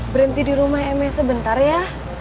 berhenti di rumah ms sebentar ya